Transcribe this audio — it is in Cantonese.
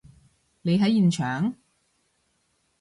你喺現場？